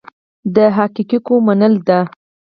د حقایقو منل ده.